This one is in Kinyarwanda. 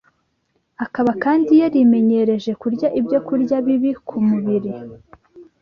akaba kandi yarimenyereje kurya ibyokurya bibi ku mubiri